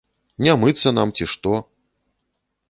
Не мыцца нам ці што?